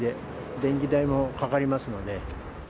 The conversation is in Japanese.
電気代もかかりますので。